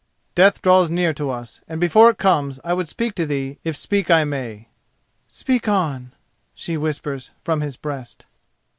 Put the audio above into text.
"Death draws near to us, and before it comes I would speak to thee, if speak I may." "Speak on," she whispers from his breast.